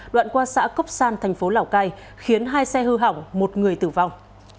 đoạn qua xã cốc san thành phố lào cai khiến hai xe hư hỏng một người tử vong